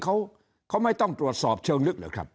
คราวนี้เจ้าหน้าที่ป่าไม้รับรองแนวเนี่ยจะต้องเป็นหนังสือจากอธิบดี